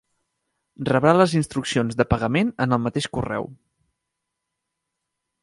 Rebrà les instruccions de pagament en el mateix correu.